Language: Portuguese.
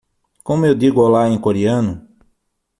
Como eu digo olá em coreano?